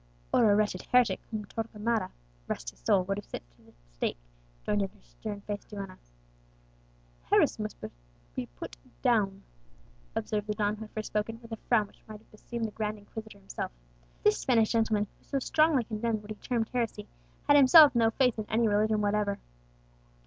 "Or a wretched heretic, whom Torquemada rest his soul! would have sent to the stake," joined in her stern faced duenna. "Heresy must be put down," observed the don who had first spoken, with a frown which might have beseemed the Grand Inquisitor himself. This Spanish gentleman, who so strongly condemned what he termed heresy, had himself no faith in any religion whatever.